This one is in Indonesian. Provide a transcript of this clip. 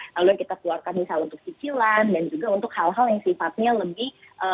lalu yang kita keluarkan misal untuk cicilan dan juga untuk hal hal yang sifatnya lebih